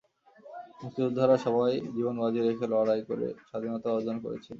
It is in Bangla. মুক্তিযোদ্ধারা সবাই জীবন বাজি রেখে লড়াই করে স্বাধীনতা অর্জন করেছিলেন।